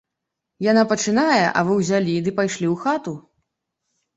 Яна пачынае, а вы ўзялі ды пайшлі ў хату!